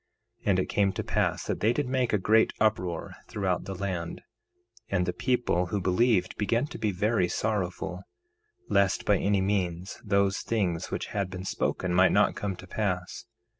1:7 And it came to pass that they did make a great uproar throughout the land; and the people who believed began to be very sorrowful, lest by any means those things which had been spoken might not come to pass.